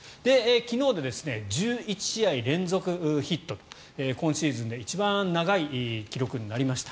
昨日で１１試合連続ヒットと今シーズンで一番長い記録になりました。